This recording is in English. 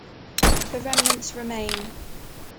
The remnants remain.